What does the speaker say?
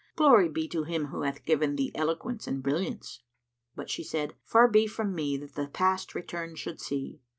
Glory be to Him who hath given thee eloquence and brilliance!" But she said, "Far be from me that the Past return should see!"